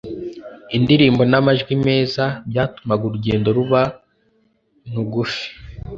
Indirimbo n'amajwi meza byatumaga urugendo ruba ntgufi,